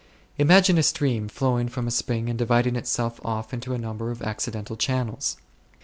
Imagine a stream flowing from a spring and dividing itself off into a number of accidental channels.